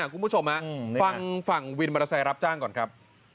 คุณผู้ชมฟังฝั่งวินมอเตอร์ไซค์รับจ้างก่อนครับ